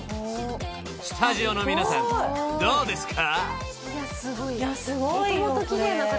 ［スタジオの皆さんどうですか？］